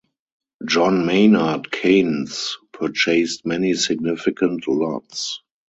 John Maynard Keynes purchased many significant lots.